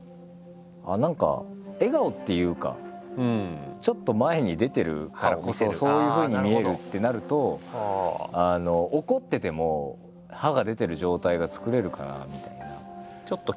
何か笑顔っていうかちょっと前に出てるからこそそういうふうに見えるってなると怒ってても歯が出てる状態が作れるかなみたいな。